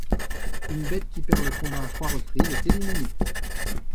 Une bête qui perd le combat à trois reprises est éliminée.